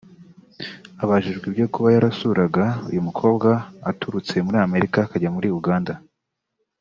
Abajijwe ibyo kuba yarasuuraga uyu mukobwa aturutse muri Amerika akajya muri Uganda